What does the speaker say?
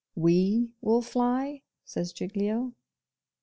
'WE will fly?' says Giglio.